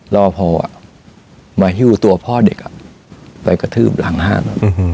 รอพอมาหิ้วตัวพ่อเด็กไปกระทืบหลังห้าง